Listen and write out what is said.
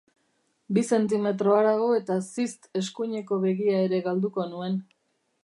Bi zentimetro harago eta, zizt, eskuineko begia ere galduko nuen.